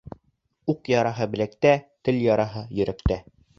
Уҡ яраһы беләктә, тел яраһы йөрәктә.